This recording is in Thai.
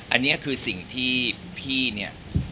อันนี้คือสิ่งที่พี่